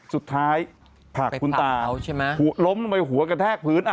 สุดท้ายผลักคุณตาใช่ไหมล้มลงไปหัวกระแทกพื้น